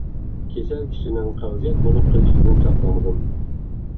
كېسەل كىشىنىڭ قەۋزىيەت بولۇپ قېلىشىدىن ساقلانغىن.